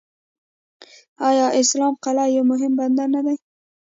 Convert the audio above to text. آیا اسلام قلعه یو مهم بندر نه دی؟